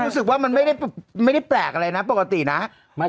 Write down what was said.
รู้สึกว่ามันไม่ได้แปลกอะไรนะปกตินะ